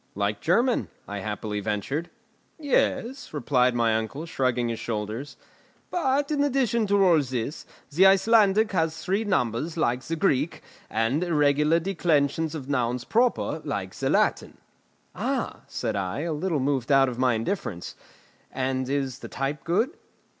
"Like German." I happily ventured. "Yes," replied my uncle, shrugging his shoulders; "but, in addition to all this, the Icelandic has three numbers like the Greek, and irregular declensions of nouns proper like the Latin." "Ah!" said I, a little moved out of my indifference; "and is the type good?"